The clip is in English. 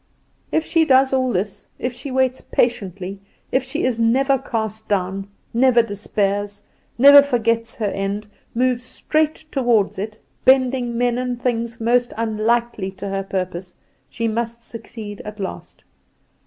"If she does all this if she waits patiently, if she is never cast down, never despairs, never forgets her end, moves straight toward it, bending men and things most unlikely to her purpose she must succeed at last.